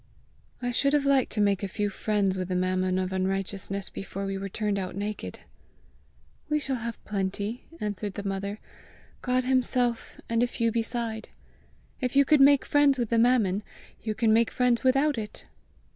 "I should have liked to make a few friends with the mammon of unrighteousness before we were turned out naked!" "We shall have plenty," answered the mother, " God himself, and a few beside! If you could make friends with the mammon, you can make friends without it!"